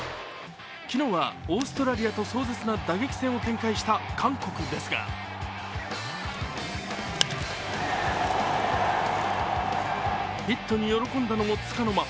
昨日はオーストラリアと壮絶な打撃戦を展開した韓国ですがヒットに喜んだのもつかの間。